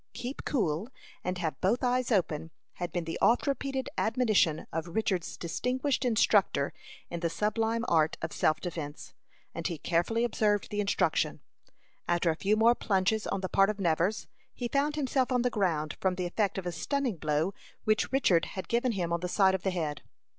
"Keep cool, and have both eyes open," had been the oft repeated admonition of Richard's distinguished instructor in the sublime art of self defence, and he carefully observed the instruction. After a few more plunges on the part of Nevers, he found himself on the ground, from the effect of a stunning blow which Richard had given him on the side of the head.